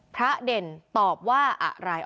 เด่นตอบว่าอะไร